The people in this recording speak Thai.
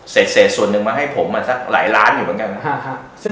เศษส่วนหนึ่งมาให้ผมมาสักหลายล้านอยู่เหมือนกัน